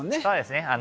そうですね